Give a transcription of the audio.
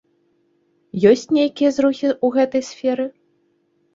Ёсць нейкія зрухі ў гэтай сферы?